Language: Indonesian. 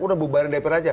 udah bubayang dpr aja